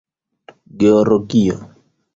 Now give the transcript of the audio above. georgio